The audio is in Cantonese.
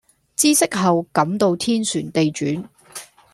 知悉後感到天旋地轉